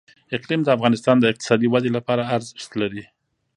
اقلیم د افغانستان د اقتصادي ودې لپاره ارزښت لري.